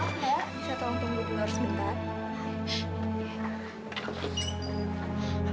maaf mak bisa tolong tunggu dulu harus bentar